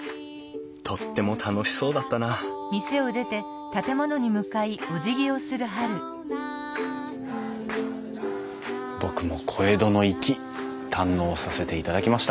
とっても楽しそうだったな僕も「小江戸の粋」堪能させていただきました。